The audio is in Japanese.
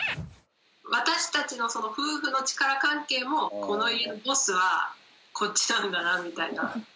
私たちの夫婦の力関係も、この家のボスはこっちなんだなみたいな。